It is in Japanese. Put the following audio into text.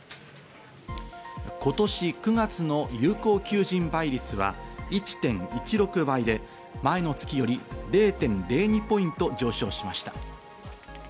今年９月の有効求人倍率は１．１６倍で、前の月より０．０２ポイント上昇しました。